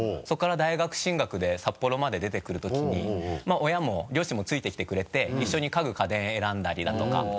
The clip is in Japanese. そこから大学進学で札幌まで出てくるときに親も両親もついてきてくれて一緒に家具家電選んだりだとか。